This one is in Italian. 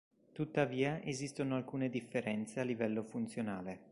Tuttavia esistono alcune differenze a livello funzionale.